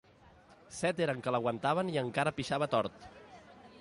Set eren que l'aguantaven i encara pixava tort.